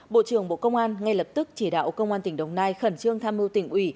bộ trưởng bộ công an ngay lập tức chỉ đạo công an tỉnh đồng nai khẩn trương tham mưu tỉnh ủy